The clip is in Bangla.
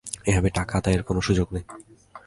এভাবে টাকা আদায়ের কোনো সুযোগ নেই।